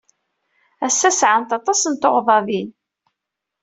Ass-a, sɛant aṭas n tuɣdaḍin.